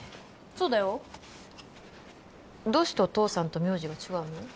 そうだよどうしてお父さんと名字が違うの？